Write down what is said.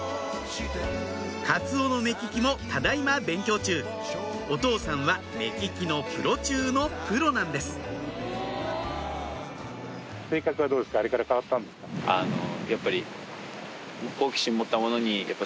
カツオの目利きもただ今勉強中お父さんは目利きのプロ中のプロなんですやっぱり。